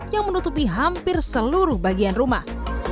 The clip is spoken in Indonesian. yang menutupi hampir seluruh bagian rumah